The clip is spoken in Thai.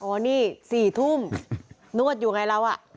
นี่๔ทุ่มนวดอยู่ไงเรา